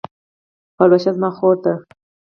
پلوشه زما خور ده